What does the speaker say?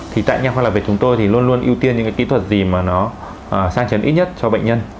thì tại nhà khoa học về chúng tôi thì luôn luôn ưu tiên những kỹ thuật gì mà nó sang chấn ít nhất cho bệnh nhân